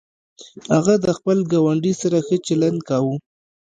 هغه د خپل ګاونډي سره ښه چلند کاوه.